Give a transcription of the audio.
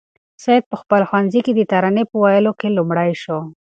سعید په خپل ښوونځي کې د ترانې په ویلو کې لومړی شو.